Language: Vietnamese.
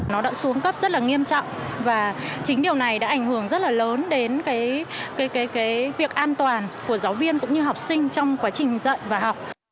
nó đã xuống cấp rất là nghiêm trọng và chính điều này đã ảnh hưởng rất là lớn đến việc an toàn của giáo viên cũng như học sinh trong quá trình dạy và học